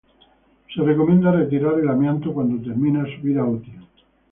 Se recomienda retirar el amianto cuando termina su vida útil.